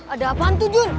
ada apaan tuh jun